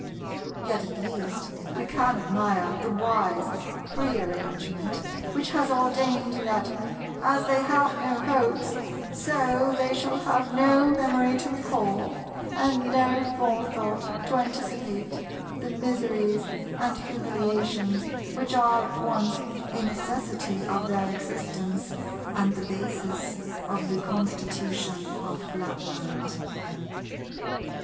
Yet at least we can admire the wise Prearrangement which has ordained that, as they have no hopes, so they shall have no memory to recall, and no forethought to anticipate, the miseries and humiliations which are at once a necessity of their existence and the basis of the constitution of Flatland.